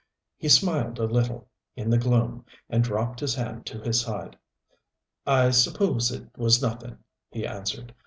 He smiled a little, in the gloom, and dropped his hand to his side. "I suppose it was nothing," he answered.